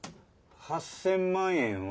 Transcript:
８，０００万円は」。